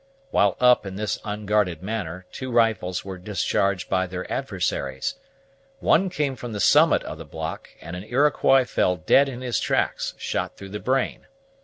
While up in this unguarded manner, two rifles were discharged by their adversaries. One came from the summit of the block, and an Iroquois fell dead in his tracks, shot through the brain.